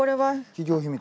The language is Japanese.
企業秘密？